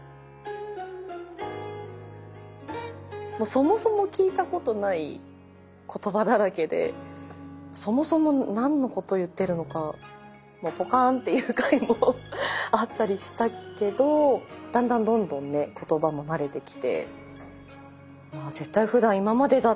そもそも聞いたことない言葉だらけでそもそも何のこと言ってるのかもうポカーンっていう回もあったりしたけどだんだんどんどんね言葉も慣れてきて。